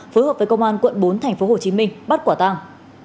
phối hợp với công an quận bốn tp hcm bắt quả tăng